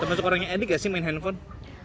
termasuk orangnya edi gak sih main handphone